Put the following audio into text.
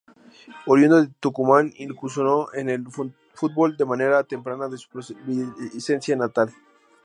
Oriundo de Tucumán, incursionó en el fútbol de manera temprana en su provincia natal.